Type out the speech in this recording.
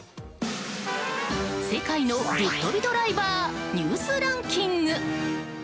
世界のぶっとびドライバーニュースランキング。